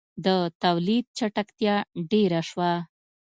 • د تولید چټکتیا ډېره شوه.